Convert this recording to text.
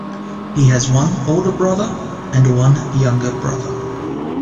He has one older brother and one younger brother.